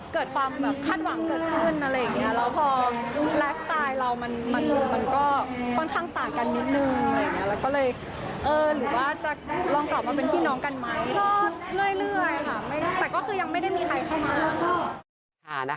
ก็ยังไม่ได้มีใครเข้ามา